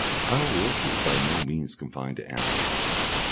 Our work is by no means confined to animals.